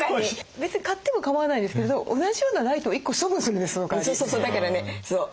別に買っても構わないんですけど同じようなライトを１個処分するんですそのかわり。